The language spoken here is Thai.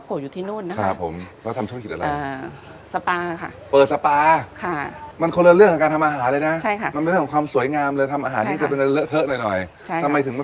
อ๋อไปทำอะไรให้นู้น